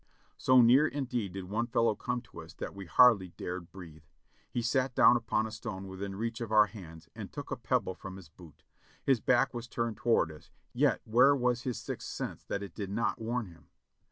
So near indeed did one fellow come to us that we hardly dared breathe. He sat down upon a stone within reach of our hands and took a pebble from his boot; his back was turned toward us, yet where was his sixth sense that it did not warn him?